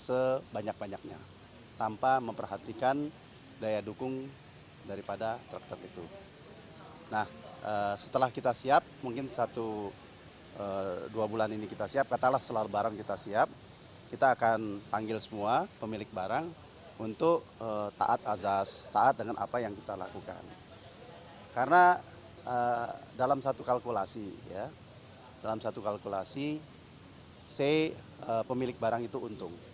sebanyak banyaknya tanpa memperhatikan daya dukung daripada truk itu nah setelah kita siap mungkin satu dua bulan ini kita siap katalah selalu barang kita siap kita akan panggil semua pemilik barang untuk taat azas taat dengan apa yang kita lakukan karena dalam satu kalkulasi ya dalam satu kalkulasi say pemilik barang itu untung